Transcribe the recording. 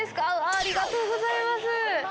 ありがとうございます！